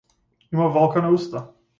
Има валкана уста.